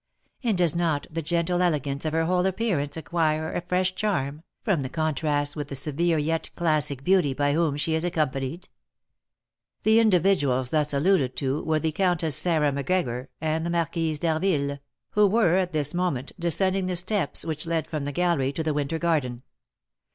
And does not the gentle elegance of her whole appearance acquire a fresh charm, from the contrast with the severe yet classic beauty by whom she is accompanied?" The individuals thus alluded to were the Countess Sarah Macgregor and the Marquise d'Harville, who were at this moment descending the steps which led from the gallery to the winter garden.